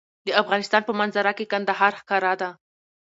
د افغانستان په منظره کې کندهار ښکاره ده.